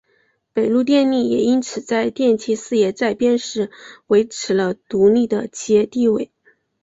北陆电力也因此在电气事业再编时维持了独立的企业地位。